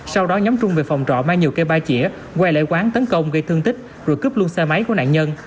sau đó nhóm trung về phòng trọ mang nhiều cây ba chỉa quay lại quán tấn công gây thương tích rồi cướp luôn xe máy của nạn nhân